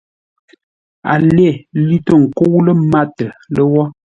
A lê, lʉ̂ tô ńkə́u lə́ mátə lə́wó.